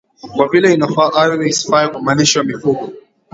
kwa vile inafanya ardhi isifae kwa malisho ya mifugo